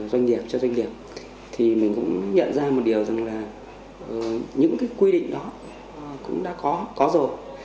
doanh nghiệp cho doanh nghiệp thì mình cũng nhận ra một điều rằng là những cái quy định đó cũng đã có rồi